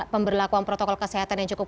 pemberlakuan protokol kesehatan yang cukup